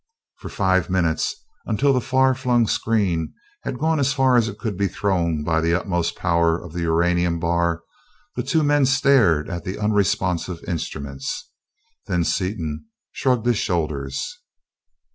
For five minutes, until that far flung screen had gone as far as it could be thrown by the utmost power of the uranium bar, the two men stared at the unresponsive instruments, then Seaton shrugged his shoulders.